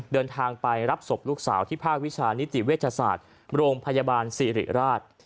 เดินทางไปรับศพลูกสาวที่ภาควิชานิติเวชศาสตร์โรงพยาบาลสิริราช